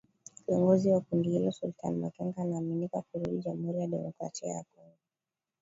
Kiongozi wa kundi hilo Sultani Makenga anaaminika kurudi Jamhuri ya kidemokrasia ya Kongo.